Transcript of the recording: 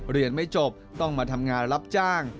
เรียนไม่จบต้องมาทำงานรับจ้าง